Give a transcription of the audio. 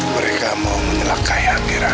mereka mau menyelakai abira